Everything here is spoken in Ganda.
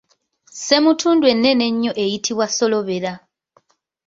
Ssemutundu ennene ennyo eyitibwa solobera.